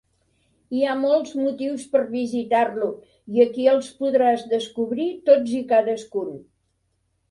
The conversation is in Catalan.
Hi ha molts motius per visitar-lo, i aquí els podràs descobrir tots i cadascun.